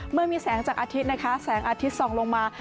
เมื่อมีแสงจากอาทิตย์นะคะแสงอาทิตย์ส่องลงมา